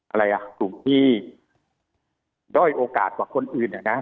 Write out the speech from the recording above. อะไรอ่ะกลุ่มที่ด้อยโอกาสกว่าคนอื่นเนี่ยนะ